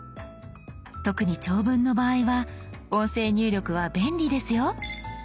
特に長文の場合は音声入力は便利ですよ。